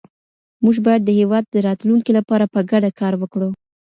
موږ بايد د هېواد د راتلونکي لپاره په ګډه کار وکړو.